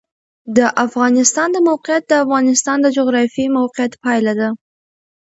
د افغانستان د موقعیت د افغانستان د جغرافیایي موقیعت پایله ده.